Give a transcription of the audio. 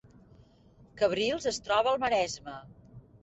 Cabrils es troba al Maresme